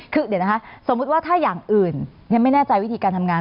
คือเดี๋ยวนะคะสมมุติว่าถ้าอย่างอื่นยังไม่แน่ใจวิธีการทำงาน